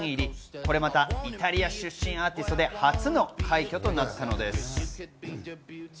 これまたイタリア出身アーティストで初の快挙となったのです。